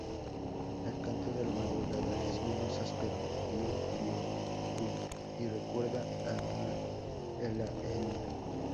El canto de madrugada es menos áspero, "biu...biu-uip" y recuerda a una "Elaenia".